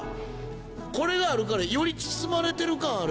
これがあるからより包まれてる感ある。